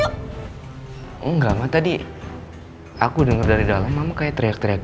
kami dalam perjalanan masing masing